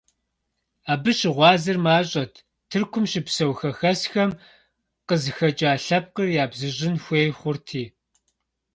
Абы щыгъуазэр мащӀэт, Тыркум щыпсэу хэхэсхэм къызыхэкӀа лъэпкъыр ябзыщӀын хуей хъурти.